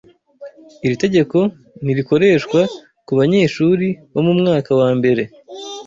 Iri tegeko ntirikoreshwa kubanyeshuri bo mu mwaka wa mbere.